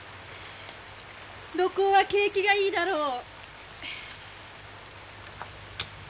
土工は景気がいいだろう。